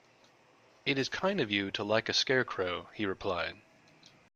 "It is kind of you to like a Scarecrow," he replied.